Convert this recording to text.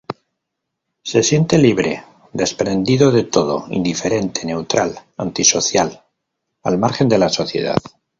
Se siente libre, desprendido de todo, indiferente, neutral, antisocial, al margen de la sociedad.